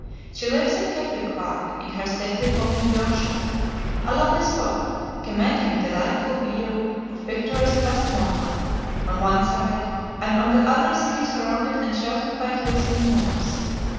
She lives at Kepwick Park, in her stately home in Yorkshire a lovely spot, commanding a delightful view of picturesque Westmoreland on one side and on the other three surrounded and sheltered by hills and moors.